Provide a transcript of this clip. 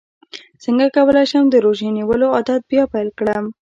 څنګه کولی شم د روژې نیولو عادت بیا پیل کړم